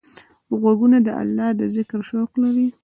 غوږونه د الله د ذکر شوق لري